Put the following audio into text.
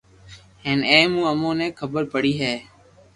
ھين اي مون امون ني خبر پڙي ھي